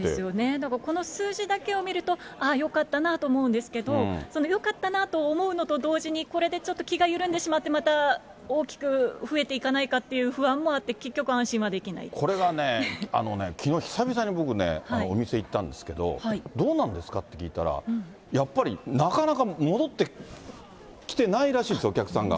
だからこの数字だけを見ると、ああ、よかったなと思うんですけど、よかったなと思うのと同時に、これでちょっと気が緩んでしまって、また大きく増えていかないかっていう不安もあって、結局、これがね、きのう、久々に僕ね、お店行ったんですけど、どうなんですかって聞いたら、やっぱりなかなか戻ってきてないらしいんです、お客さんが。